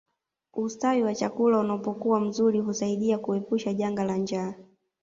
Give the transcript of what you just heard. Ustawi wa chakula unapokuwa mzuri huasaidia kuepusha janga la njaa